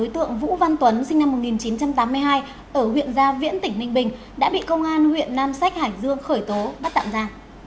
tượng vũ văn tuấn sinh năm một nghìn chín trăm tám mươi hai ở huyện gia viễn tỉnh ninh bình đã bị công an huyện nam sách hải dương khởi tố bắt tạm ra